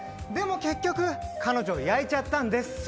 でも結局彼女はやいちゃったんです。